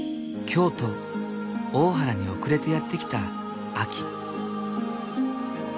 京都・大原に遅れてやって来た秋。